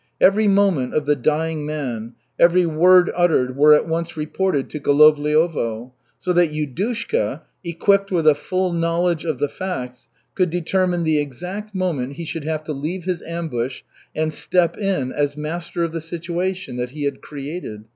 Every moment of the dying man, every word uttered were at once reported to Golovliovo, so that Yudushka, equipped with a full knowledge of the facts, could determine the exact moment he should have to leave his ambush and step in as master of the situation that he had created.